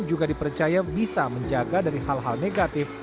juga dipercaya bisa menjaga dari hal hal negatif